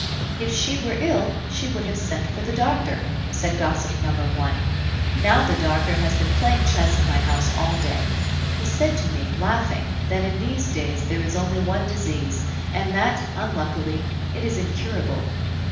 "If she were ill, she would have sent for the doctor," said gossip number one; "now the doctor has been playing chess in my house all day. He said to me, laughing, that in these days there is only one disease, and that, unluckily, it is incurable."